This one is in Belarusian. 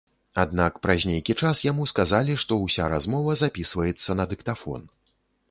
Аднак праз нейкі час яму сказалі, што ўся размова запісваецца на дыктафон.